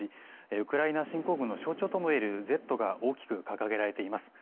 ウクライナ侵攻軍の象徴ともいえる「Ｚ」が大きく掲げられています。